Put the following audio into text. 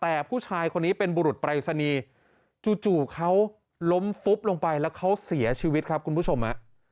แต่ผู้ชายคนนี้เป็นบุรุษปรายศนีย์จู่เขาล้มฟุบลงไปแล้วเขาเสียชีวิตครับคุณผู้ชม